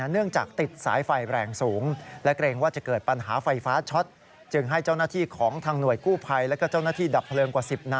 เนื่องจากติดสายไฟแรงสูง